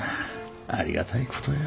ありがたいことよ。